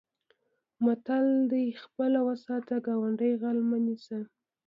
متل دی: خپل و ساته ګاونډی غل مه نیسه.